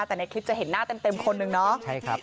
แต่ในคลิปจะเห็นหน้าเต็มคนนึงเนาะ